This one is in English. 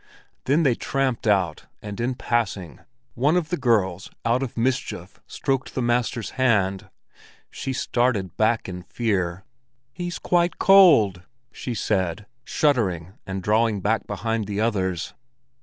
Then they tramped out, and in passing, one of the girls out of mischief stroked the master's hand. She started back in fear. "He's quite cold!" she said, shuddering and drawing back behind the others.